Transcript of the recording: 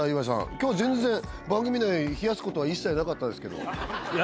今日は全然番組内冷やすことは一切なかったですけどいや